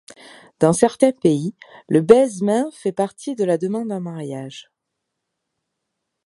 Dans certains pays, le baisemain fait partie de la demande en mariage.